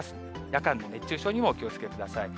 夜間の熱中症にもお気をつけください。